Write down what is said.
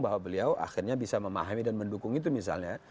bahwa beliau akhirnya bisa memahami dan mendukung itu misalnya